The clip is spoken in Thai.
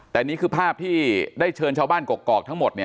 แต่นี่คือภาพที่ได้เชิญชาวบ้านกกอกทั้งหมด